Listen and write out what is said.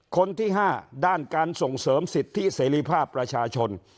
คนที่๕ด้านการส่งเสริมสิทธิเสรีภาพประชาชน